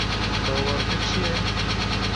Awarte çi ye?